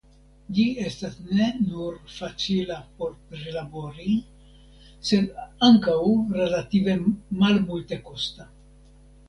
Ĝi estas ne nur facila por prilabori sed ankaŭ relative malmultekosta.